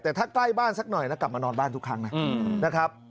แต่ถ้าใกล้บ้านสักหน่อยแล้วกลับมานอนบ้านทุกครั้งนะครับ